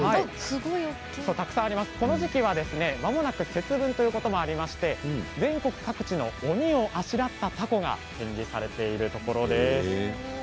この時期は、まもなく節分ということもありまして全国各地の鬼をあしらったたこが展示されているところです。